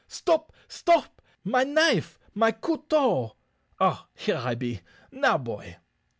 "Stop! stop! my knife, my couteau. Ah, here I be! Now, boy."